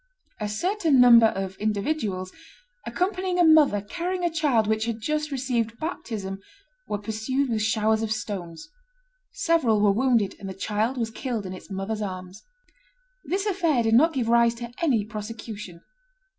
A certain number of individuals, accompanying a mother carrying a child which had just received baptism, were pursued with showers of stones; several were wounded, and the child was killed in its mother's arms." This affair did not give rise to any prosecution.